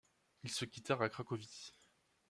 Ils se quittèrent à Cracovie.